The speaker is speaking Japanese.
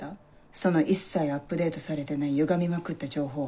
その一切アップデートされてないゆがみまくった情報。